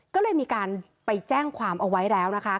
ก็เลยมีการไปแจ้งความเอาไว้แล้วนะคะ